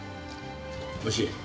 おいしい。